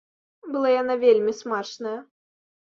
Была яна вельмі смачная.